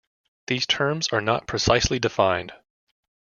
These terms are not precisely defined.